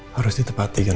harus ditepati kan